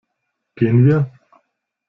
Gehen wir?